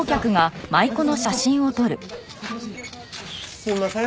すんません。